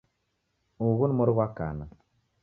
Ughu ni mori ghwa kana